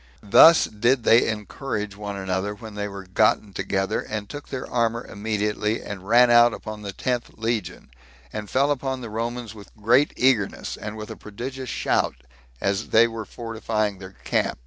Thus did they encourage one another when they were gotten together, and took their armor immediately, and ran out upon the tenth legion, and fell upon the Romans with great eagerness, and with a prodigious shout, as they were fortifying their camp.